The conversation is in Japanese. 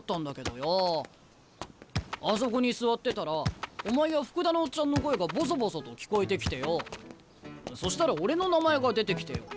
あそこに座ってたらお前や福田のオッチャンの声がボソボソと聞こえてきてよそしたら俺の名前が出てきてよ。